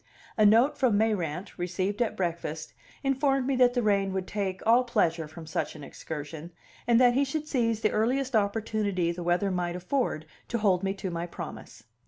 A note from Mayrant, received at breakfast, informed me that the rain would take all pleasure from such an excursion, and that he should seize the earliest opportunity the weather might afford to hold me to my promise.